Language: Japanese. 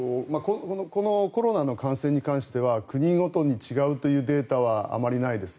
このコロナの感染に関しては国ごとに違うというデータはあまりないです。